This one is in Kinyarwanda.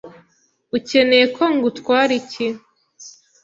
Ukeneye ko ngutwara iki?